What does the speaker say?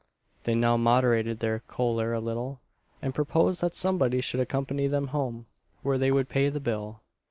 They now moderated their choler a little, and proposed that somebody should accompany them home, where they would pay the bill.